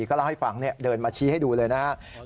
ก็เล่าให้ฟังเดินมาชี้ให้ดูเลยนะครับ